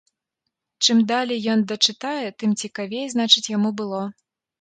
Чым далей ён дачытае, тым цікавей, значыць, яму было.